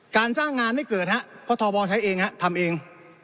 การสร้างงานไม่เกิดฮะเพราะทบใช้เองฮะทำเอง